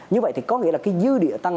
như vậy thì có nghĩa là cái dư địa tăng